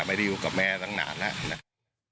ไม่ได้อยู่กับแม่ทั้งหนาแล้ว